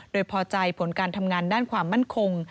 โดยพอใจผลการทำงานด้านความมั่นคง